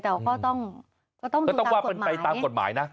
แต่ก็ต้องดูตามกฎหมายต้องว่าเป็นไปตามกฎหมายนะ